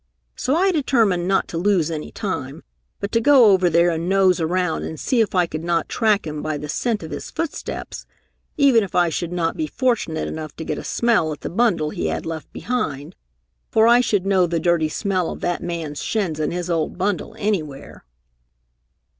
So I determined not to lose any time, but to go over there and nose around and see if I could not track him by the scent of his footsteps, even if I should not be fortunate enough to get a smell at the bundle he had left behind, for I should know the dirty smell of that man's shins and his old bundle anywhere."